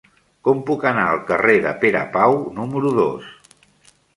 Com puc anar al carrer de Pere Pau número dos?